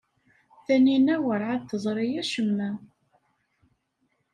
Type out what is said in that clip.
Taninna werɛad teẓri acemma.